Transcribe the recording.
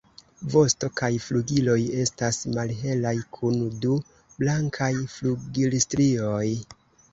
Vosto kaj flugiloj estas malhelaj kun du blankaj flugilstrioj.